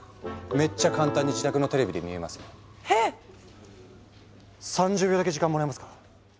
めっちゃ簡単に自宅のテレビで見れますよ。へ⁉３０秒だけ時間もらえますか？